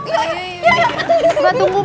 iya iya mbak tunggu mbak